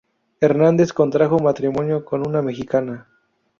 Hernández contrajo matrimonio con una mexicana.